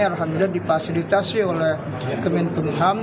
alhamdulillah dipasilitasi oleh kementerian pemaham